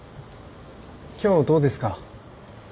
今日どうですか？